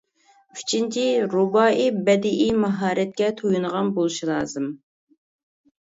ئۈچىنچى، رۇبائىي بەدىئىي ماھارەتكە تويۇنغان بولۇشى لازىم.